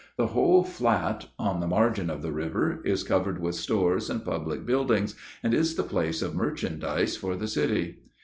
The whole flat, on the margin of the river, is covered with stores and public buildings, and is the place of merchandise for the city.